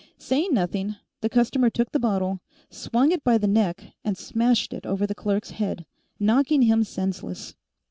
Saying nothing, the customer took the bottle, swung it by the neck, and smashed it over the clerk's head, knocking him senseless.